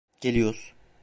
Geliyoruz.